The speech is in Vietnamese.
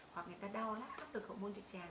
hoặc người ta đo lát hấp được hậu môn trực tràng